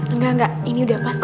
enggak enggak ini udah pas kok